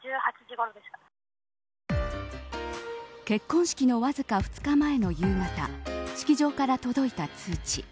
結婚式のわずか２日前の夕方式場から届いた通知。